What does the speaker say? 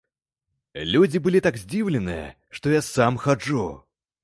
Людзі былі так здзіўленыя, што я сам хаджу!